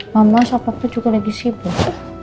mama sama papa juga lagi sibuk